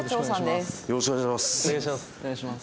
よろしくお願いします。